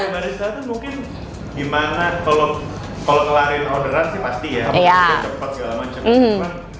barista tuh mungkin gimana kalo kelarin orderan sih pasti ya mau ke depan segala macem